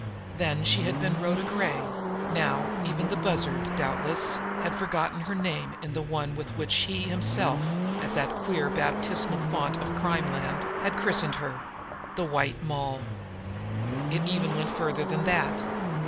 Then, she had been Rhoda Gray; now, even the Bussard, doubtless, had forgotten her name in the one with which he himself, at that queer baptismal font of crimeland, had christened her the White Moll. It even went further than that.